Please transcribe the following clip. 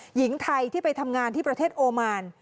หญิงไทยที่ไปทำงานที่ประเทศโอมาน